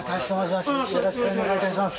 よろしくお願いします。